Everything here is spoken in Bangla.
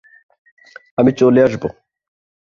আমি চলে আসবো।